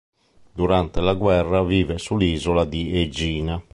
Durante la guerra vive sull'isola di Egina.